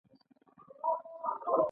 هدف دا دی چې یو ډول بریا ترلاسه شي.